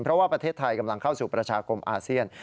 เพราะว่าประเทศไทยกำลังเข้าสู่ประชาคมอาเซียน